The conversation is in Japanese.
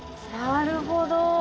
なるほど。